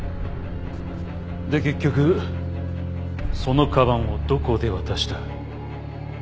で結局その鞄をどこで渡した？